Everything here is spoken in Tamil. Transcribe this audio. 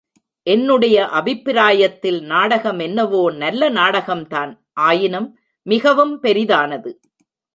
என்னுடைய அபிப்பிராயத்தில் நாடகம் என்னவோ நல்ல நாடகம்தான் ஆயினும் மிகவும் பெரிதானது.